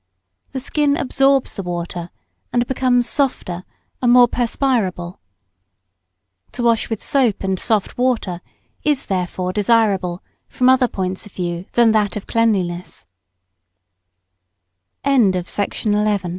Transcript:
The skin absorbs the water and becomes softer and more perspirable. To wash with soap and soft water is, therefore, desirable from other points of view than that o